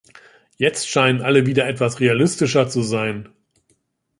Jetzt scheinen alle wieder etwas realistischer zu sein.